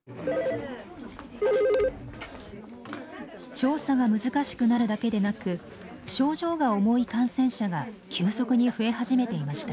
調査が難しくなるだけでなく症状が重い感染者が急速に増え始めていました。